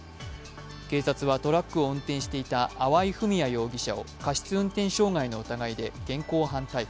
警察はトラックを運転していた粟井文哉容疑者を過失運転傷害の疑いで現行犯逮捕。